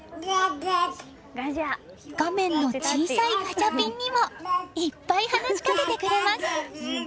画面の小さいガチャピンにもいっぱい話しかけてくれます。